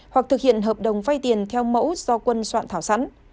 hoặc thực hiện hợp đồng vay tiền theo mẫu do quân soạn thảo sẵn